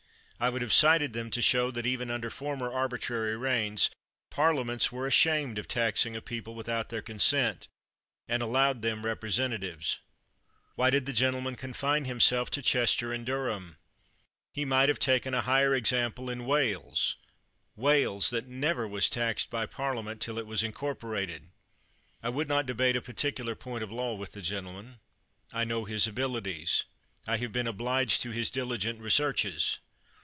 I would have cited them to show that, even under former arbitrary reigns, Par liaments were ashamed of taxing a people with out their consent, and allowed them representa 204 CHATHAM tives. Why did the gentleman confine himself to Chester and Durham? He might have taken a higher example in Wales — Wales, that never was taxed by Parliament till it was incorporated. I would not debate a particular point of law with the gentleman. I know his abilities. I have been obliged to his diligent researches.